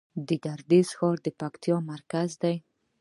د ګردیز ښار د پکتیا مرکز دی